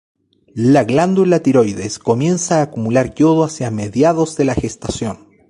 La glándula tiroides comienza a acumular yodo hacia mediados de la gestación.